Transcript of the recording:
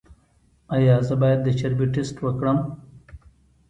ایا زه باید د چربي ټسټ وکړم؟